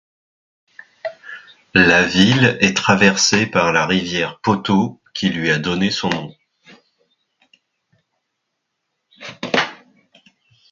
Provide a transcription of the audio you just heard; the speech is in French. La ville est traversée par la rivière Poteau qui lui a donné son nom.